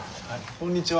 こんにちは。